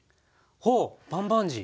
ほうバンバンジー。